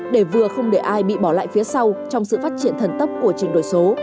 để vừa không để ai bị bỏ lại phía sau trong sự phát triển thần tốc của chuyển đổi số